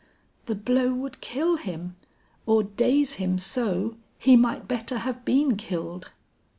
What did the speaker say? The blow would kill him; or daze him so, he might better have been killed.